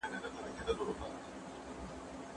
لنډي کیسې د ټولني حقیقتونه بیانوي.